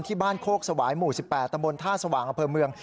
ที่บ้านโคกสวายหมู่๑๘ตำบลท่าสว่างอำเภอเมือง